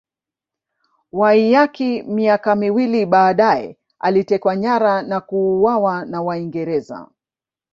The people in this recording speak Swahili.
Waiyaki miaka miwili baadaye alitekwa nyara na kuuawa na Waingereza